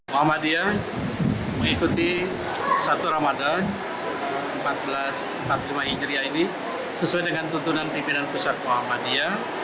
muhammadiyah mengikuti satu ramadan seribu empat ratus empat puluh lima hijriah ini sesuai dengan tuntunan pimpinan pusat muhammadiyah